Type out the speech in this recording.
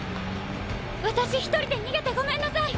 私一人で逃げてごめんなさい。